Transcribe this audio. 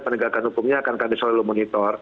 penegakan hukumnya akan kandis oleh lomonitor